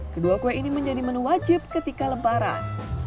kedua kue ini menjadi menu wajib ketika lebaran